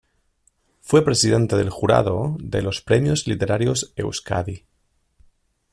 Fue presidente del jurado de los "Premios Literarios Euskadi.